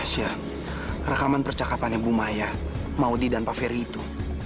rekaman percakapannya bu maya maudie dan pak ferry itu